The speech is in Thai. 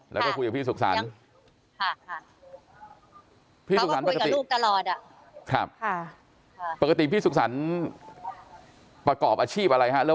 แล้วก็คุยกับพี่สุขสรรค่ะเขาก็คุยกับลูกตลอดอ่ะปกติพี่สุขสรรประกอบอาชีพอะไรค่ะ